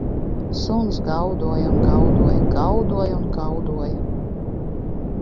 Suns gaudoja un gaudoja, gaudoja un gaudoja